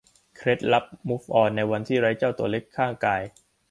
เคล็ดลับมูฟออนในวันที่ไร้เจ้าตัวเล็กข้างกาย